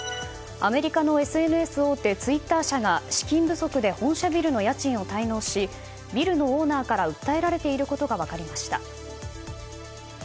アメリカのＳＮＳ大手ツイッター社が資金不足で本社ビルの家賃を滞納しビルのオーナーから訴えられていることが分かりました。